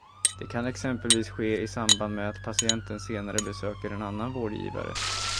Det kan exempelvis ske i samband med att patienten senare besöker en annan vårdgivare.